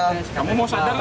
kamu mau sadar ya